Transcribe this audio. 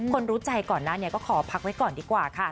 รู้ใจก่อนหน้านี้ก็ขอพักไว้ก่อนดีกว่าค่ะ